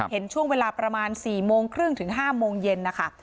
เห็นช่วงเวลาประมาณ๔โมงครึ่งถึง๕โมงเย็นนะคะ